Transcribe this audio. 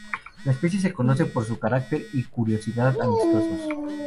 La especie se conoce por su carácter y curiosidad amistosos.